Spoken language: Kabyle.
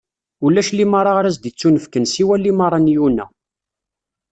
Ulac limaṛa ara s-d-ittunefken siwa limaṛa n Yuna.